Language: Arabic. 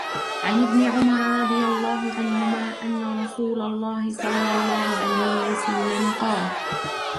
عن ابنِ عُمَرَ رَضِي اللهُ عَنْهُما أنَّ رسولَ اللهِ صَلَّى اللهُ عَلَيْهِ وَسَلَّمَ قالَ: